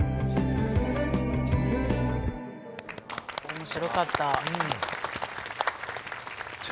面白かった。